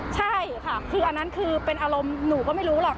ใช่ค่ะคืออันนั้นคือเป็นอารมณ์หนูก็ไม่รู้หรอก